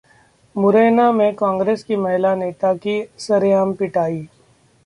मुरैना में कांग्रेस की महिला नेता की सरेआम पिटाई